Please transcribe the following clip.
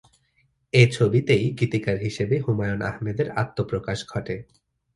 এ ছবিতেই গীতিকার হিসেবে হুমায়ূন আহমেদের আত্মপ্রকাশ ঘটে।